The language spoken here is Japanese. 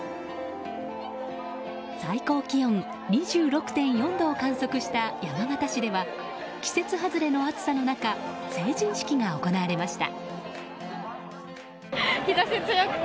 最高気温２６．４度を観測した山形市では季節外れの暑さの中成人式が行われました。